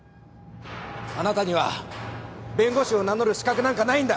あなたには弁護士を名乗る資格なんかないんだ！